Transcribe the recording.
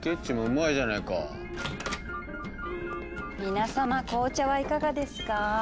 皆さま紅茶はいかがですか。